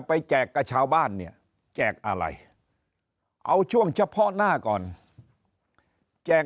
แจกกับชาวบ้านเนี่ยแจกอะไรเอาช่วงเฉพาะหน้าก่อนแจก